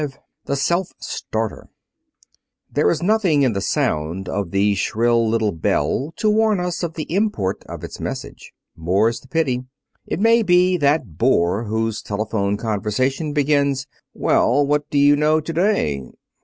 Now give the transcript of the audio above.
V THE SELF STARTER There is nothing in the sound of the shrill little bell to warn us of the import of its message. More's the pity. It may be that bore whose telephone conversation begins: "Well, what do you know to day?"